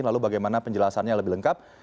lalu bagaimana penjelasannya lebih lengkap